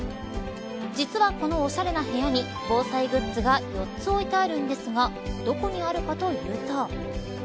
実は、このおしゃれな部屋に防災グッズが４つ置いてあるんですがどこにあるかというと。